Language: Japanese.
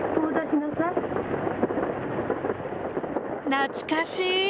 懐かしい！